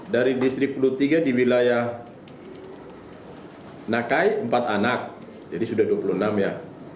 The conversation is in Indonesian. dari distrik pelu tiga di wilayah nakai empat anak jadi sudah dua puluh enam ya